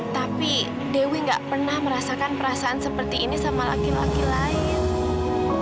tapi dewi gak pernah merasakan perasaan seperti ini sama laki laki lain